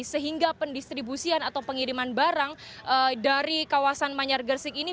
sehingga pendistribusian atau pengiriman barang dari kawasan manyar gersik ini